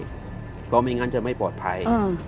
เพราะไม่งั้นจะไม่ปลอดภัย